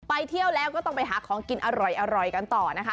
ไปเที่ยวแล้วก็ต้องไปหาของกินอร่อยกันต่อนะคะ